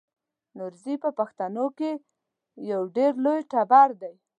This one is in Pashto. نورزی په پښتنو کې یو ډېر لوی ټبر دی.